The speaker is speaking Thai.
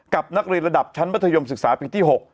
กับนักเรียนระดับชั้นมัธยมศึกษาปีที่๖